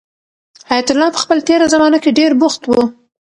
حیات الله په خپل تېره زمانه کې ډېر بوخت و.